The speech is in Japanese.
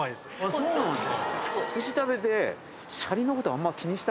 そうなんですか。